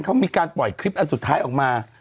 เขามีการปล่อยคลิปอันสุดท้ายออกมา